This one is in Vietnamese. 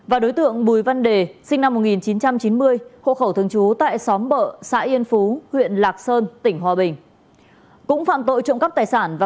và đối tượng bùi văn đề sinh năm một nghìn chín trăm chín mươi hộ khẩu thường trú tại xóm bợ xã yên phú huyện lạc sơn tỉnh hòa bình